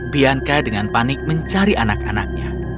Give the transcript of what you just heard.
bianka dengan panik mencari anak anaknya